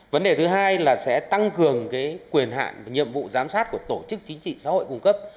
vấn đề thứ hai là sẽ tăng cường quyền hạn và nhiệm vụ giám sát của tổ chức chính trị xã hội cung cấp